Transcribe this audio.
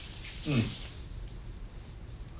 うん。